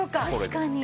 確かに。